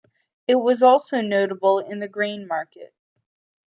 It was also notable in the grain market.